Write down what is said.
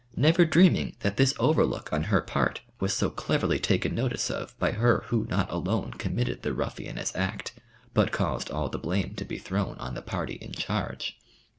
Never dreaming that this overlook on her part was so cleverly taken notice of by her who not alone committed the ruffianous act, but caused all the blame to be thrown on the party in charge.